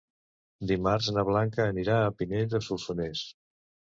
Dimarts na Blanca anirà a Pinell de Solsonès.